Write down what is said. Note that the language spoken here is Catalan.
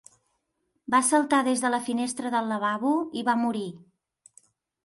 Va saltar des de la finestra del lavabo i va morir.